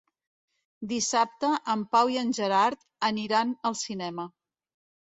Dissabte en Pau i en Gerard aniran al cinema.